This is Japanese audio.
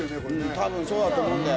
たぶんそうだと思うんだよ。